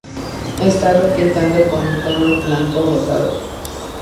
Estaba pintado con tonos blanco-rosados.